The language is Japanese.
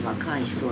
そう。